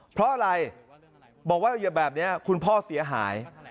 เพราะอะไรบอกว่าอย่าแบบนี้คุณพ่อเสียหาย